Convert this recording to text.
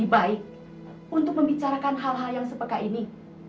hidupmu karena ruang diri begitu